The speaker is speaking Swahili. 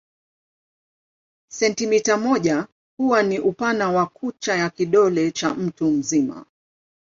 Sentimita moja huwa ni upana wa kucha ya kidole cha mtu mzima.